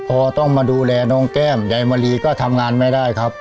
พอต้องมาดูแลน้องแก้มยายมะลีก็ทำงานไม่ได้ครับ